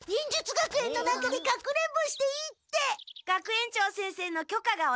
学園長先生のきょかが下りました。